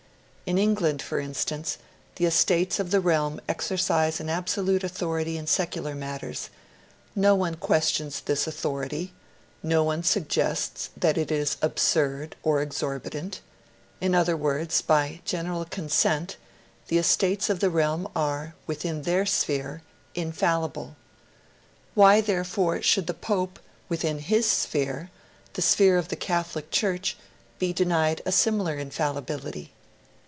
In England, for instance, the Estates of the Realm exercise an absolute authority in secular matters; no one questions this authority, no one suggests that it is absurd or exorbitant; in other words, by general consent the Estates of the Realm are, within their sphere, infallible. Why, therefore, should the Pope, within his sphere the sphere of the Catholic Church be denied a similar infallibility?